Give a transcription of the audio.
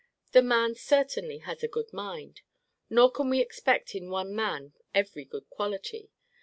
The man certainly has a good mind. Nor can we expect in one man every good quality.